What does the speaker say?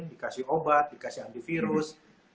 dikasih obat dikasih antivirus